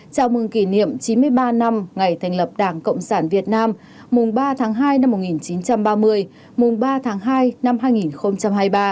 chào mừng kỷ niệm chín mươi ba năm ngày thành lập đảng cộng sản việt nam mùng ba tháng hai năm một nghìn chín trăm ba mươi mùng ba tháng hai năm hai nghìn hai mươi ba